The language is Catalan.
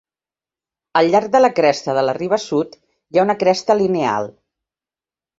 Al llarg de la cresta de la riba sud hi ha una cresta lineal.